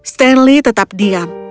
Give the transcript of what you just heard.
stanley tetap diam